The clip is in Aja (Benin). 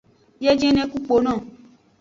Biejene ku kpono.